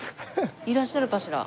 いらっしゃるかしら？